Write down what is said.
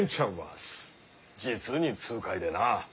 実に痛快でなあ。